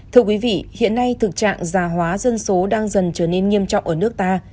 thưa quý vị hiện nay thực trạng già hóa dân số đang dần trở nên nghiêm trọng ở nước ta